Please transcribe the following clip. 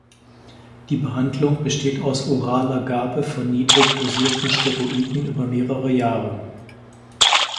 Die Behandlung besteht aus oraler Gabe von niedrig dosierten Steroiden über mehrere Jahre.